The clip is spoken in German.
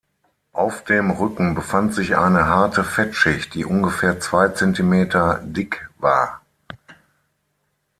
Auf dem Rücken befand sich eine harte Fettschicht, die ungefähr zwei Zentimeter dick war.